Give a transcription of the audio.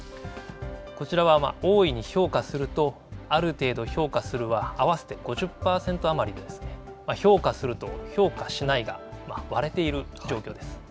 こちらは大いに評価するとある程度評価するは、合わせて５０％余りで、評価すると評価しないが、割れている状況です。